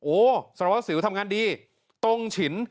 โอ้โหสารวัสสิวทำงานดีตรงฉิน